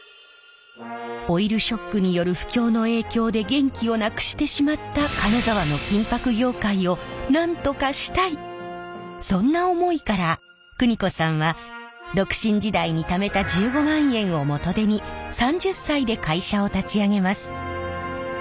オイルショックによる不況の影響で元気をなくしてしまったそんな思いから邦子さんは独身時代にためた１５万円を元手に３０歳で会社を立ち上げます。